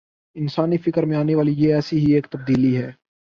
انسانی فکر میں آنے والی یہ ایسی ہی ایک تبدیلی ہے۔